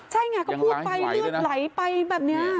ใช่ไงเขาพูดไปหลายไปแบบนี้